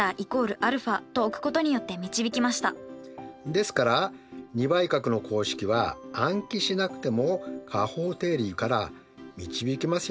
ですから２倍角の公式は暗記しなくても加法定理から導けますよね。